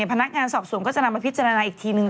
พนักงานสอบสวนก็จะนำมาพิจารณาอีกทีนึง